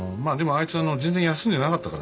あいつあのう全然休んでなかったからね。